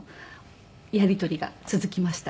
やり取りが続きました。